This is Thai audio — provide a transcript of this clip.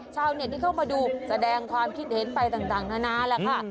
ชาวเน็ตที่เข้ามาดูแสดงความคิดเห็นไปต่างนานาแหละค่ะ